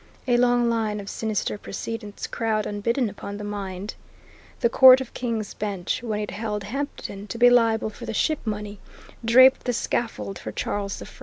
A long line of sinister precedents crowd unbidden upon the mind. The Court of King's Bench, when it held Hampden to be liable for the Ship Money, draped the scaffold for Charles I.